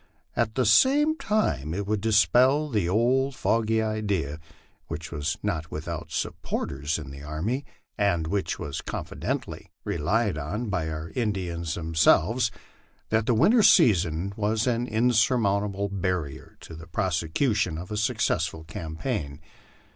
At the same time it would dispel the old fogy idea, which was not without supporters in the army, and which was confidently relied on by the Indians themselves, that the winter season was an insurmountable barrier to the prosecution of a success ful campaign.